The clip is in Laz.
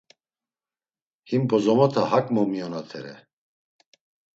Him bozomota hak momiyonatere.